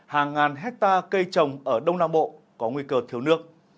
hàng ngàn hectare cây trồng ở đông nam bộ có nguy cơ thiếu nước